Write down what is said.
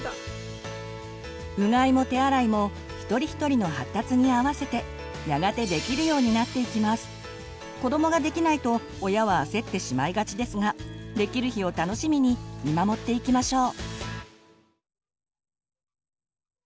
うがいも手洗いも一人一人の発達に合わせて子どもができないと親は焦ってしまいがちですができる日を楽しみに見守っていきましょう。